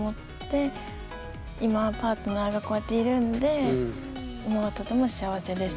今はパートナーがこうやっているんで今はとても幸せです。